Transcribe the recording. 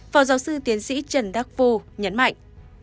phó giáo sư tiến sĩ trần đắc phu nhấn mạnh